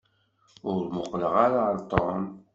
Ur muqleɣ ara ɣer Tom.